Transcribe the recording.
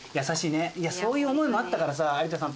いやそういう思いもあったからさ。